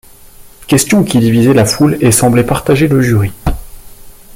Questions qui divisaient la foule et semblaient partager le jury.